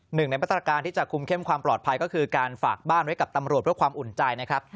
หนึ่งในมาตรการที่จะคุมเข้มความปลอดภัยก็คือการฝากบ้านไว้กับตำรวจเพื่อความอุ่นใจนะครับ